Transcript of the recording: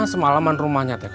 siap gak mau nasir